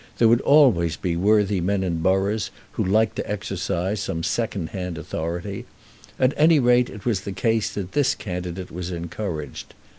There would always be worthy men in boroughs who liked to exercise some second hand authority. At any rate it was the case that this candidate was encouraged.